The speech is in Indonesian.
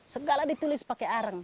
segala ditulis pakai areng